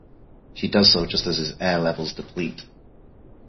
She does so just as his air levels deplete.